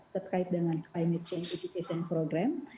terkait dengan climate change education program